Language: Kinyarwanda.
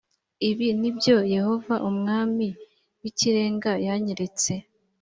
ibi ni byo yehova umwami w ikirenga yanyeretse